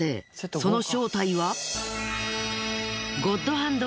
その正体は。